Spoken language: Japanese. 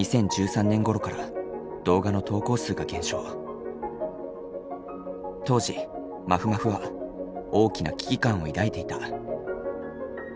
更に当時まふまふは大きな危機感を抱いていた。